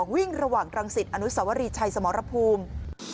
วิ่งระหว่างรังสิตอนุสวรีชัยสมรภูมิ